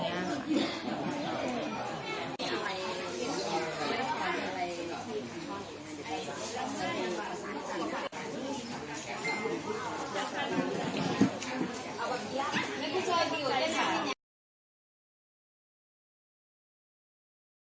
ในประเทศไทยมีข้อมูลประทับ